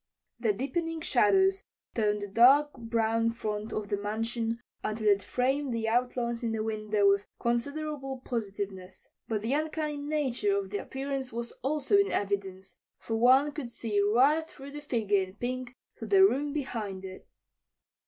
The deepening shadows toned the dark brown front of the mansion until it framed the outlines in the window with considerable positiveness. But the uncanny nature of the appearance was also in evidence, for one could see right through the figure in pink to the room behind it.